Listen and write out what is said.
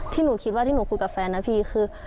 ที่หนูคิดว่าที่หนูคุยกับแฟนนะพี่คือ